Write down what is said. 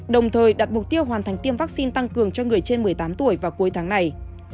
đồng thời đặt mục tiêu hoàn thành tiêm vaccine tăng cường cho người trên một mươi tám tuổi vào cuối tháng này